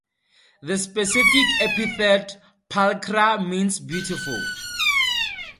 The specific epithet ("pulchra") means "beautiful".